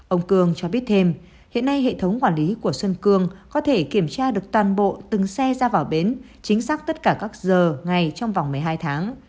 ông cương cho biết thêm hiện nay hệ thống quản lý của xuân cương có thể kiểm tra được toàn bộ từng xe ra vào bến chính xác tất cả các giờ ngày trong vòng một mươi hai tháng